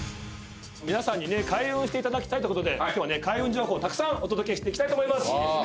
皆さんにね開運していただきたいということで今日は開運情報たくさんお届けしていきたいと思います。